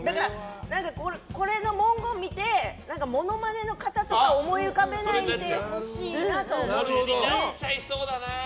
これの文言を見てモノマネの方とかを思い浮かべないでほしいなと思うんですけど。